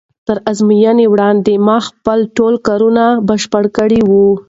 تر ازموینې وړاندې ما خپل ټول کورني کارونه بشپړ کړي وو.